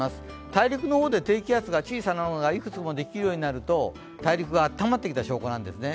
大陸の方で低気圧、小さなものがいくつもできるようになると大陸があたたまってきた証拠なんですね。